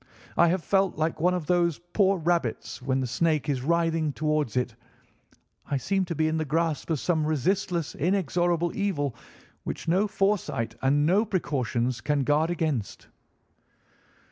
I have felt like one of those poor rabbits when the snake is writhing towards it. I seem to be in the grasp of some resistless, inexorable evil, which no foresight and no precautions can guard against."